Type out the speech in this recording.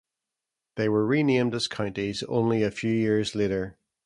They were renamed as counties only a few years later.